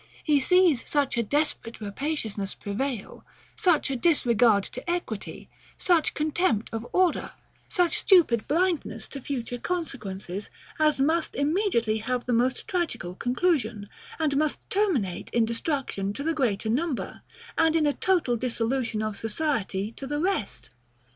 He sees such a desperate rapaciousness prevail; such a disregard to equity, such contempt of order, such stupid blindness to future consequences, as must immediately have the most tragical conclusion, and must terminate in destruction to the greater number, and in a total dissolution of society to the rest.